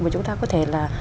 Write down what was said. chúng ta có thể là